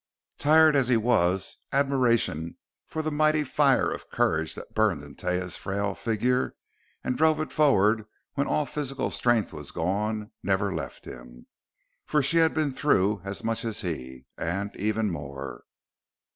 Tired as he was, admiration for the mighty fire of courage that burned in Taia's frail figure, and drove it forward when all physical strength was gone, never left him. For she had been through as much as he and even more!...